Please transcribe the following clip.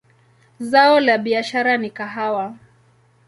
Zao la biashara ni kahawa.